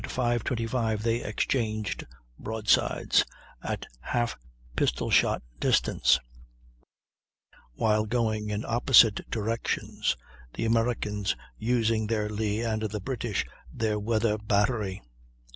25 they exchanged broadsides, at half pistol shot distance, while going in opposite directions, the Americans using their lee and the British their weather battery.